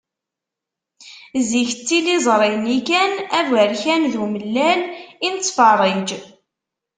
Zik d tiliẓri-nni kan uberkan d umellal i nettferrij.